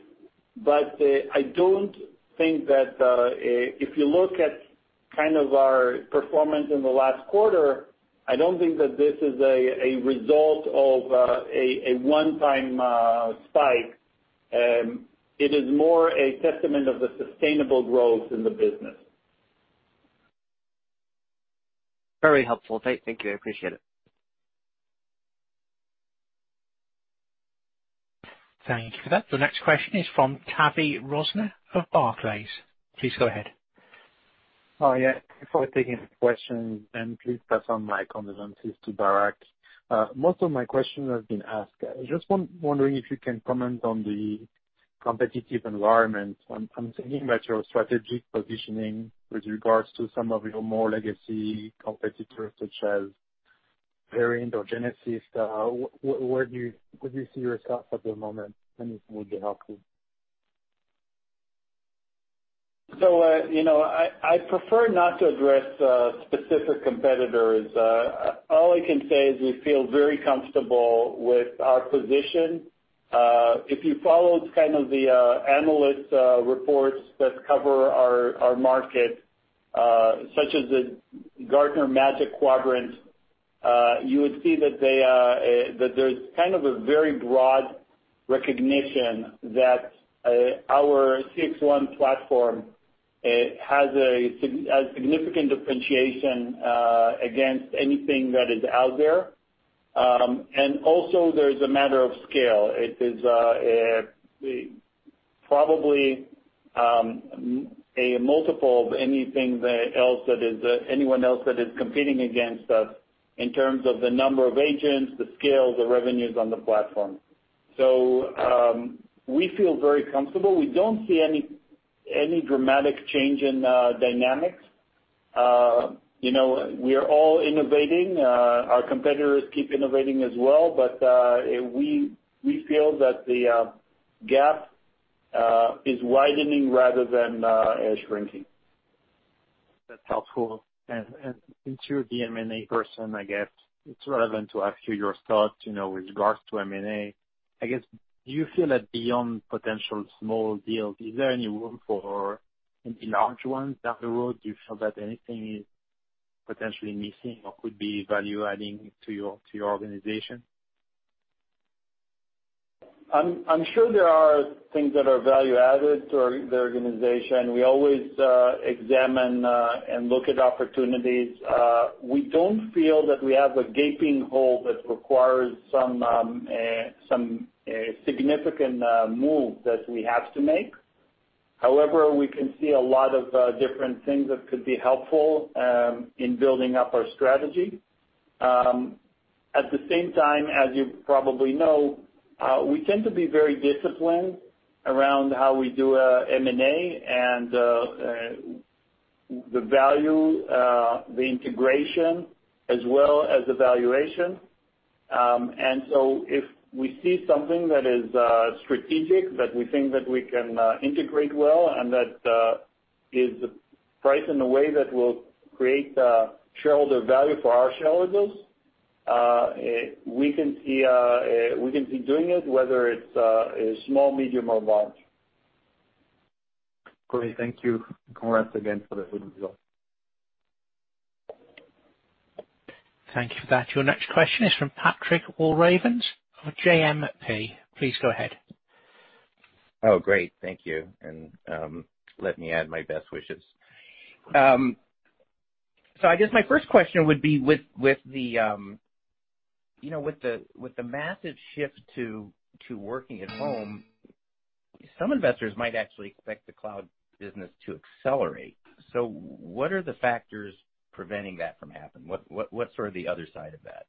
but if you look at our performance in the last quarter, I don't think that this is a result of a one-time spike. It is more a testament of the sustainable growth in the business. Very helpful. Thank you. I appreciate it. Thank you for that. The next question is from Tavy Rosner of Barclays. Please go ahead. Oh, yeah. Before taking the question, then please pass on my condolences to Barak. Most of my questions have been asked. I'm just wondering if you can comment on the competitive environment. I'm thinking about your strategic positioning with regards to some of your more legacy competitors, such as Verint or Genesys. Where do you see yourself at the moment? Anything would be helpful. I prefer not to address specific competitors. All I can say is we feel very comfortable with our position. If you followed the analyst reports that cover our market, such as the Gartner Magic Quadrant, you would see that there's a very broad recognition that our CXone platform has a significant differentiation against anything that is out there. Also there's a matter of scale. It is probably a multiple of anyone else that is competing against us in terms of the number of agents, the scale, the revenues on the platform. We feel very comfortable. We don't see any dramatic change in dynamics. We are all innovating. Our competitors keep innovating as well, we feel that the gap is widening rather than shrinking. That's helpful. Since you're the M&A person, I guess it's relevant to ask you your thoughts with regards to M&A. I guess, do you feel that beyond potential small deals, is there any room for any large ones down the road? Do you feel that anything is potentially missing or could be value-adding to your organization? I'm sure there are things that are value added to the organization. We always examine and look at opportunities. We don't feel that we have a gaping hole that requires some significant moves that we have to make. However, we can see a lot of different things that could be helpful in building up our strategy. At the same time, as you probably know, we tend to be very disciplined around how we do M&A, and the value, the integration as well as the valuation. If we see something that is strategic, that we think that we can integrate well, and that is priced in a way that will create shareholder value for our shareholders, we can see doing it, whether it's small, medium, or large. Great. Thank you. Congrats again for the good results. Thank you for that. Your next question is from Patrick Walravens of JMP. Please go ahead. Oh, great. Thank you. Let me add my best wishes. I guess my first question would be with the massive shift to working at home, some investors might actually expect the cloud business to accelerate. What are the factors preventing that from happening? What's sort of the other side of that?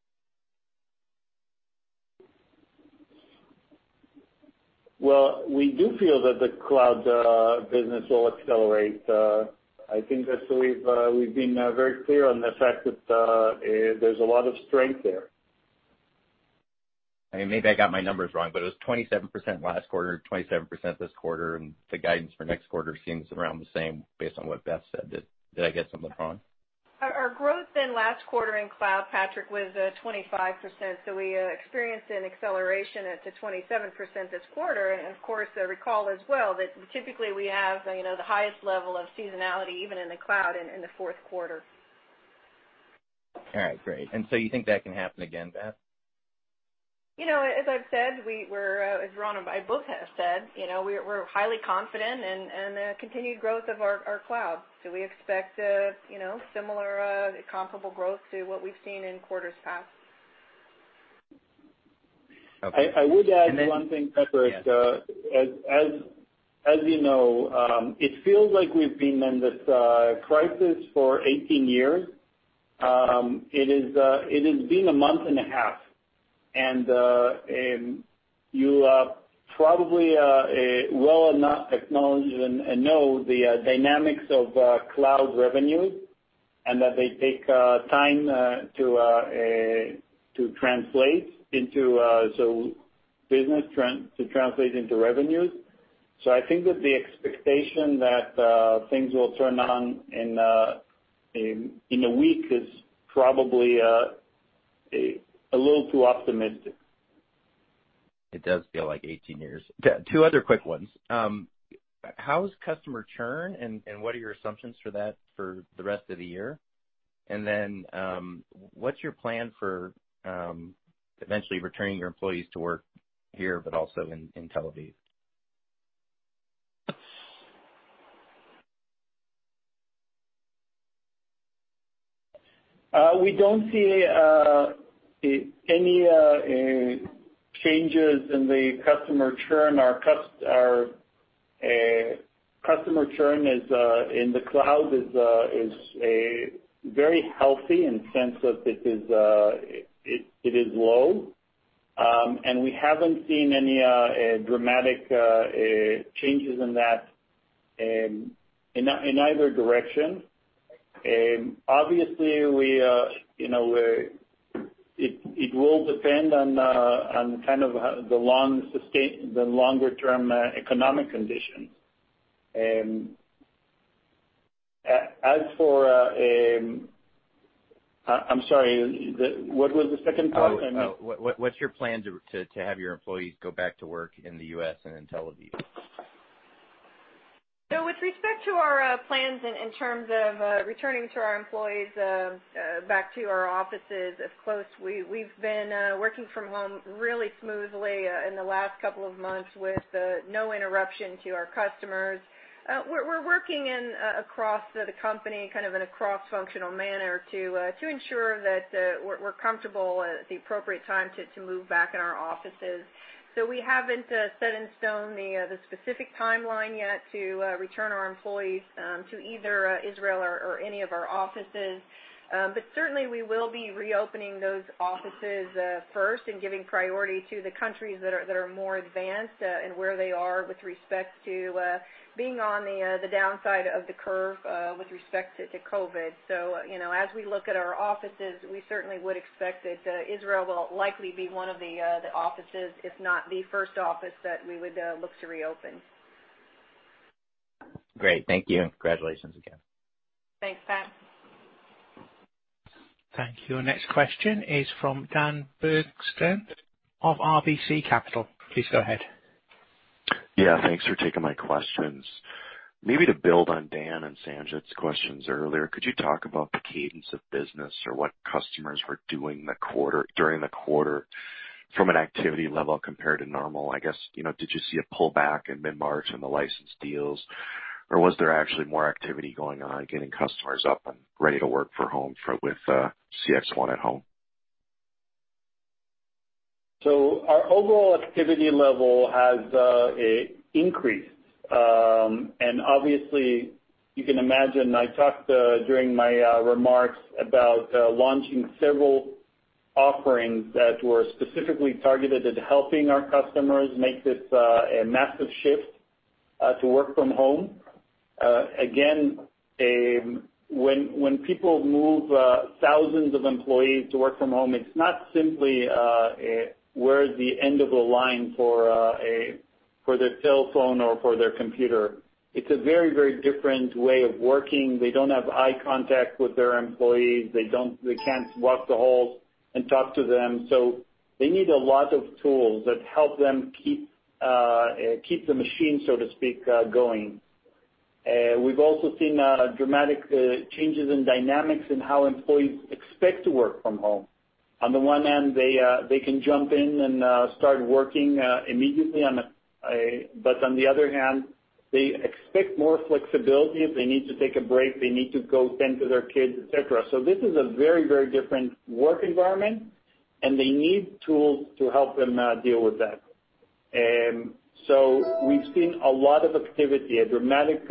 Well, we do feel that the cloud business will accelerate. I think that we've been very clear on the fact that there's a lot of strength there. Maybe I got my numbers wrong, but it was 27% last quarter, 27% this quarter, and the guidance for next quarter seems around the same based on what Beth said. Did I get something wrong? Our growth in last quarter in cloud, Patrick, was 25%. We experienced an acceleration to 27% this quarter. Of course, recall as well that typically we have the highest level of seasonality, even in the cloud, in the fourth quarter. All right, great. You think that can happen again, Beth? As Eran and I both have said, we're highly confident in the continued growth of our cloud. We expect similar comparable growth to what we've seen in quarters past. I would add one thing, Patrick. Yes. As you know, it feels like we've been in this crisis for 18 years. It has been a month and a half, and you probably well enough acknowledge and know the dynamics of cloud revenue and that they take time to translate into business, to translate into revenues. I think that the expectation that things will turn on in a week is probably a little too optimistic. It does feel like 18 years. Two other quick ones. How is customer churn, and what are your assumptions for that for the rest of the year? What's your plan for eventually returning your employees to work here, but also in Tel Aviv? We don't see any changes in the customer churn. Our customer churn in the cloud is very healthy in the sense that it is low. We haven't seen any dramatic changes in that in either direction. Obviously, it will depend on the longer-term economic conditions. I'm sorry, what was the second part? What's your plan to have your employees go back to work in the U.S. and in Tel Aviv? With respect to our plans in terms of returning to our employees back to our offices as close, we've been working from home really smoothly in the last couple of months with no interruption to our customers. We're working across the company, kind of in a cross-functional manner, to ensure that we're comfortable at the appropriate time to move back in our offices. We haven't set in stone the specific timeline yet to return our employees to either Israel or any of our offices. Certainly, we will be reopening those offices first and giving priority to the countries that are more advanced in where they are with respect to being on the downside of the curve with respect to COVID. As we look at our offices, we certainly would expect that Israel will likely be one of the offices, if not the first office, that we would look to reopen. Great. Thank you, and congratulations again. Thanks, Pat. Thank you. Next question is from Dan Bergstrom of RBC Capital. Please go ahead. Yeah, thanks for taking my questions. Maybe to build on Dan and Sanjit's questions earlier, could you talk about the cadence of business or what customers were doing during the quarter from an activity level compared to normal? I guess, did you see a pullback in mid-March in the license deals, or was there actually more activity going on getting customers up and ready to work from home with CXone@home? Our overall activity level has increased. Obviously, you can imagine, I talked during my remarks about launching several offerings that were specifically targeted at helping our customers make this a massive shift to work from home. Again, when people move thousands of employees to work from home, it is not simply where is the end of the line for their telephone or for their computer. It is a very different way of working. They do not have eye contact with their employees. They cannot walk the halls and talk to them. They need a lot of tools that help them keep the machine, so to speak, going. We have also seen dramatic changes in dynamics in how employees expect to work from home. On the one hand, they can jump in and start working immediately. On the other hand, they expect more flexibility. If they need to take a break, they need to go tend to their kids, et cetera. This is a very different work environment, and they need tools to help them deal with that. We've seen a lot of activity, a dramatic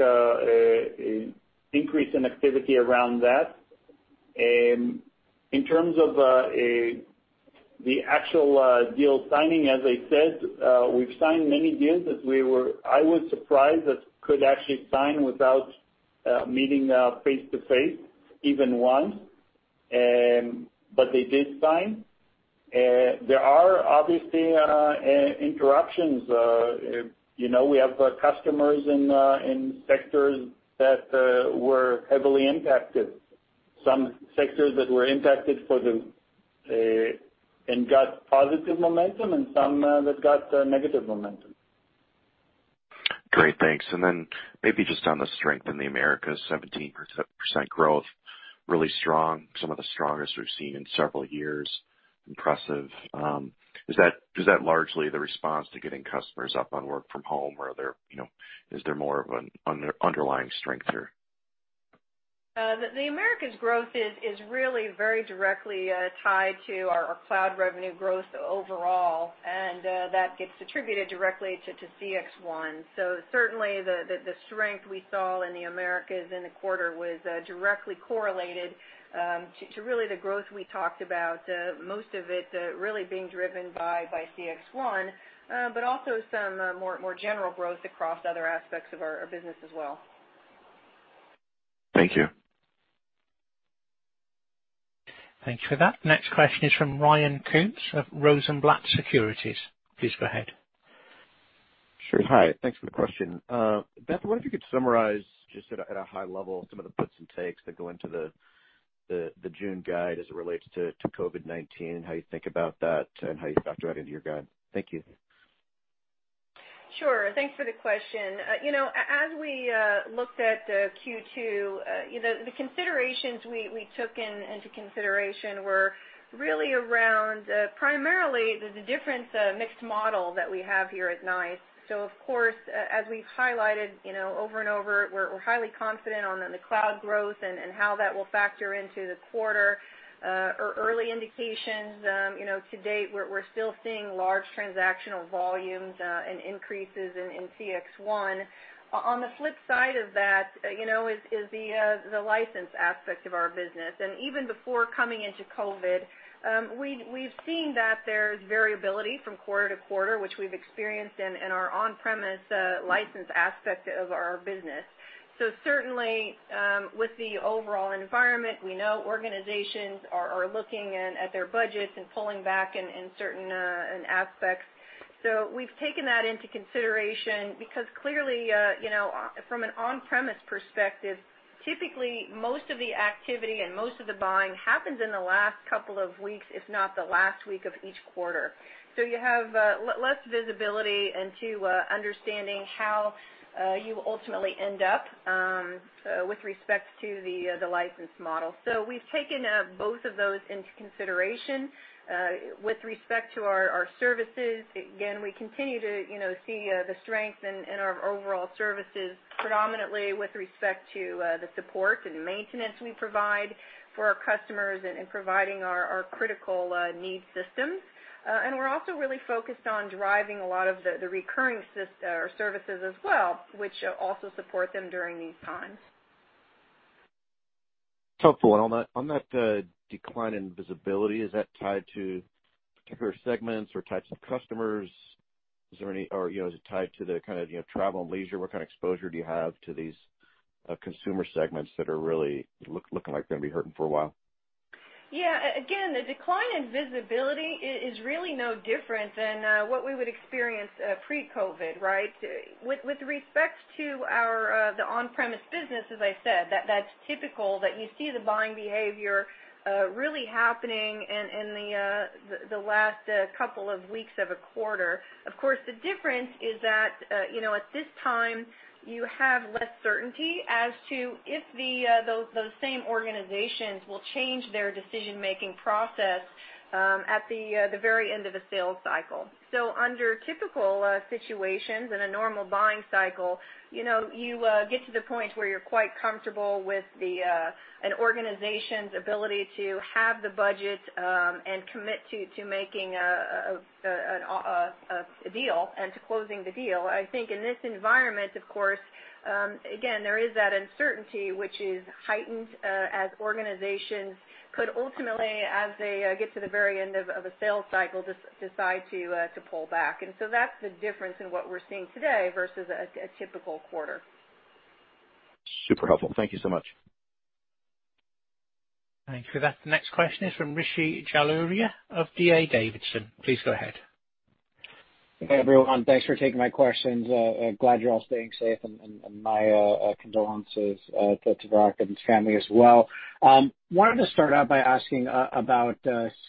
increase in activity around that. In terms of the actual deal signing, as I said, we've signed many deals that I was surprised that could actually sign without meeting face-to-face even once. They did sign. There are obviously interruptions. We have customers in sectors that were heavily impacted. Some sectors that were impacted and got positive momentum, and some that got negative momentum. Great, thanks. Maybe just on the strength in the Americas, 17% growth, really strong. Some of the strongest we've seen in several years. Impressive. Is that largely the response to getting customers up on work from home, or is there more of an underlying strength here? The Americas growth is really very directly tied to our cloud revenue growth overall. That gets attributed directly to CXone. Certainly, the strength we saw in the Americas in the quarter was directly correlated to really the growth we talked about, most of it really being driven by CXone, but also some more general growth across other aspects of our business as well. Thank you. Thank you for that. Next question is from Ryan Koontz of Rosenblatt Securities. Please go ahead. Sure. Hi, thanks for the question. Beth, I wonder if you could summarize just at a high level some of the puts and takes that go into the June guide as it relates to COVID-19 and how you think about that and how you factor that into your guide. Thank you. Sure. Thanks for the question. We looked at Q2, the considerations we took into consideration were really around primarily the different mixed model that we have here at NICE. Of course, as we've highlighted over and over, we're highly confident on the cloud growth and how that will factor into the quarter. Early indications to date, we're still seeing large transactional volumes and increases in CXone. On the flip side of that is the license aspect of our business. Even before coming into COVID, we've seen that there's variability from quarter to quarter, which we've experienced in our on-premise license aspect of our business. Certainly, with the overall environment, we know organizations are looking at their budgets and pulling back in certain aspects. We've taken that into consideration because clearly, from an on-premise perspective, typically most of the activity and most of the buying happens in the last couple of weeks, if not the last week of each quarter. You have less visibility into understanding how you ultimately end up with respect to the license model. We've taken both of those into consideration. With respect to our services, again, we continue to see the strength in our overall services, predominantly with respect to the support and maintenance we provide for our customers and providing our critical need systems. We're also really focused on driving a lot of the recurring services as well, which also support them during these times. Helpful. On that decline in visibility, is that tied to particular segments or types of customers? Is it tied to the kind of travel and leisure? What kind of exposure do you have to these consumer segments that are really looking like they're gonna be hurting for a while? Yeah. Again, the decline in visibility is really no different than what we would experience pre-COVID, right? With respect to the on-premise business, as I said, that's typical that you see the buying behavior really happening in the last couple of weeks of a quarter. Of course, the difference is that, at this time, you have less certainty as to if those same organizations will change their decision-making process at the very end of a sales cycle. Under typical situations in a normal buying cycle, you get to the point where you're quite comfortable with an organization's ability to have the budget and commit to making a deal and to closing the deal. I think in this environment, of course, again, there is that uncertainty which is heightened as organizations could ultimately, as they get to the very end of a sales cycle, decide to pull back. That's the difference in what we're seeing today versus a typical quarter. Super helpful. Thank you so much. Thank you for that. The next question is from Rishi Jaluria of D.A. Davidson. Please go ahead. Hey, everyone. Thanks for taking my questions. Glad you're all staying safe, and my condolences to Barak and his family as well. Wanted to start out by asking about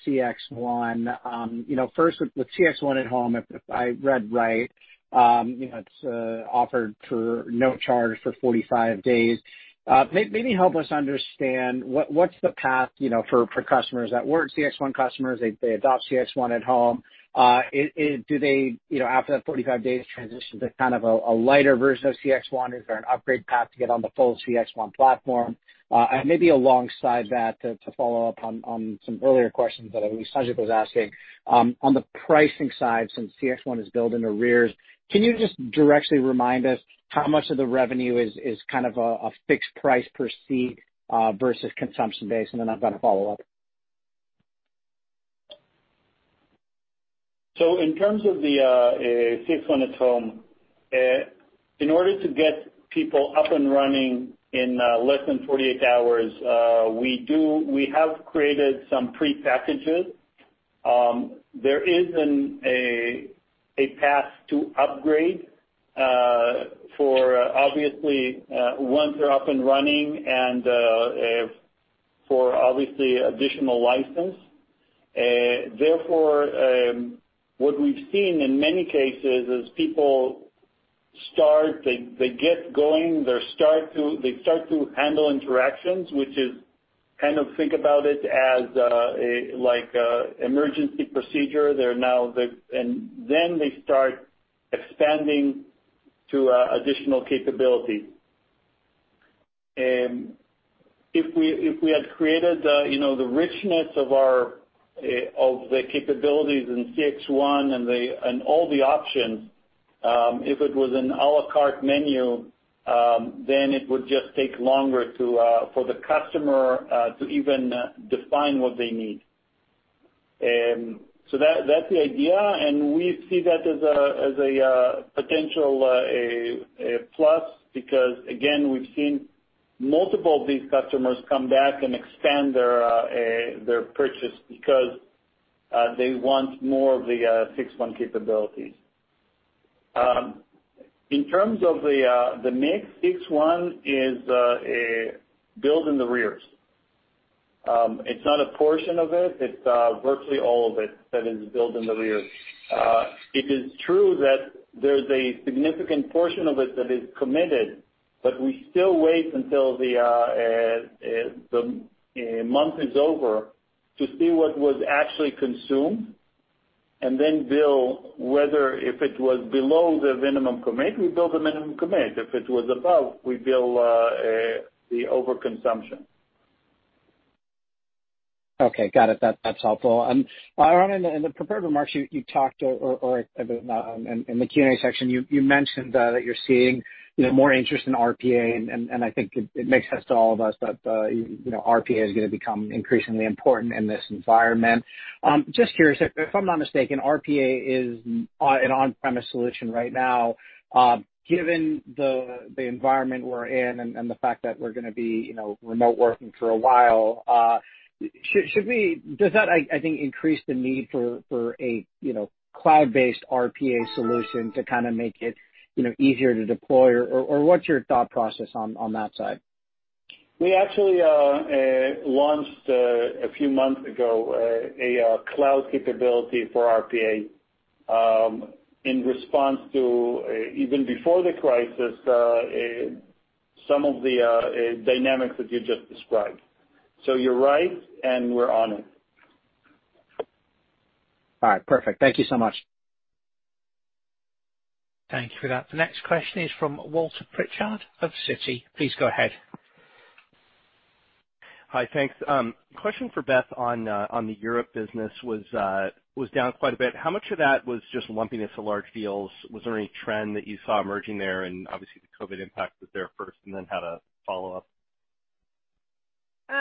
CXone. First with CXone@home, if I read right, it's offered for no charge for 45 days. Maybe help us understand what's the path for customers that were CXone customers, they adopt CXone@home. Do they, after that 45 days, transition to kind of a lighter version of CXone? Is there an upgrade path to get on the full CXone platform? Maybe alongside that, to follow up on some earlier questions that I believe Samad was asking, on the pricing side, since CXone is billed in arrears, can you just directly remind us how much of the revenue is kind of a fixed price per seat versus consumption-based? Then I've got a follow-up. In terms of the CXone@home, in order to get people up and running in less than 48 hours, we have created some pre-packages. There isn't a path to upgrade for obviously, once they're up and running and for obviously additional license. Therefore, what we've seen in many cases is people start, they get going, they start to handle interactions, which is kind of think about it as like emergency procedure. Then they start expanding to additional capability. If we had created the richness of the capabilities in CXone and all the options, if it was an à la carte menu, then it would just take longer for the customer to even define what they need. That's the idea, and we see that as a potential plus because, again, we've seen multiple of these customers come back and expand their purchase because they want more of the CXone capabilities. In terms of the mix, CXone is billed in the arrears. It's not a portion of it's virtually all of it that is billed in the arrears. It is true that there's a significant portion of it that is committed, we still wait until the month is over to see what was actually consumed, and then bill whether if it was below the minimum commit, we bill the minimum commit. If it was above, we bill the overconsumption. Okay. Got it. That's helpful. Eran, in the prepared remarks, you talked, or in the Q&A section, you mentioned that you're seeing more interest in RPA, and I think it makes sense to all of us that RPA is going to become increasingly important in this environment. Just curious, if I'm not mistaken, RPA is an on-premise solution right now. Given the environment we're in and the fact that we're going to be remote working for a while, does that, I think, increase the need for a cloud-based RPA solution to kind of make it easier to deploy? What's your thought process on that side? We actually launched a few months ago a cloud capability for RPA in response to, even before the crisis, some of the dynamics that you just described. You're right, and we're on it. All right. Perfect. Thank you so much. Thank you for that. The next question is from Walter Pritchard of Citi. Please go ahead. Hi. Thanks. Question for Beth on the Europe business, was down quite a bit. How much of that was just lumpiness of large deals? Was there any trend that you saw emerging there? Obviously the COVID impact was there first, and then had a follow-up.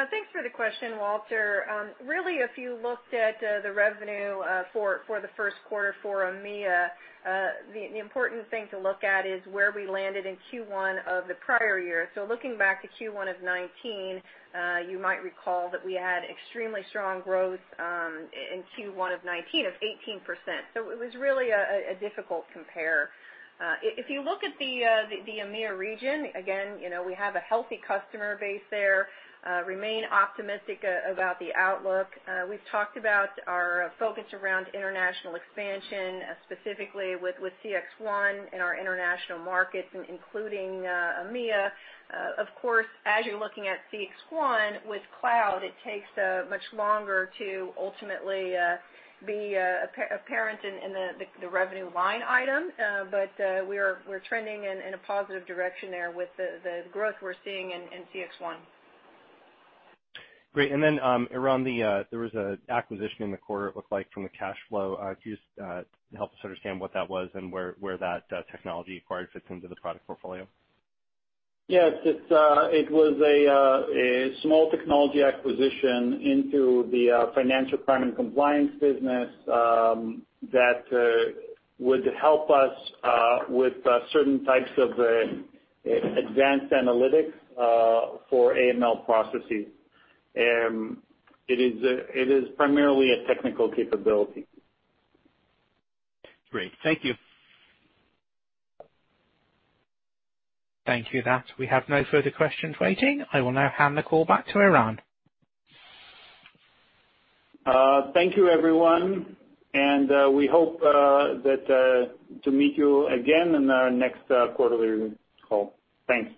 Thanks for the question, Walter. Really if you looked at the revenue for the first quarter for EMEA, the important thing to look at is where we landed in Q1 of the prior year. Looking back to Q1 of 2019, you might recall that we had extremely strong growth in Q1 of 2019 of 18%. It was really a difficult compare. If you look at the EMEA region, again, we have a healthy customer base there, remain optimistic about the outlook. We've talked about our focus around international expansion, specifically with CXone in our international markets and including EMEA. Of course, as you're looking at CXone with cloud, it takes much longer to ultimately be apparent in the revenue line item. We're trending in a positive direction there with the growth we're seeing in CXone. Great. Eran, there was an acquisition in the quarter, it looked like from the cash flow. Can you just help us understand what that was and where that technology acquired fits into the product portfolio? Yes. It was a small technology acquisition into the financial crime and compliance business that would help us with certain types of advanced analytics for AML processes. It is primarily a technical capability. Great. Thank you. Thank you. That we have no further questions waiting. I will now hand the call back to Eran. Thank you, everyone, and we hope to meet you again in our next quarterly call. Thanks.